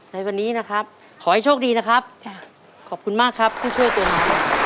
ในวันนี้นะครับขอให้โชคดีนะครับขอบคุณมากครับผู้ช่วยตัวไหน